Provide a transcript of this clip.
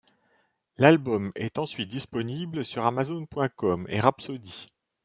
L'album est ensuite disponible sur Amazon.com et Rhapsody.